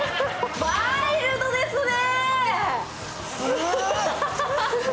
ワイルドですね！